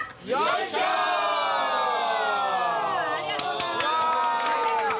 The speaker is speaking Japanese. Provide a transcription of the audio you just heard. ありがとうございます。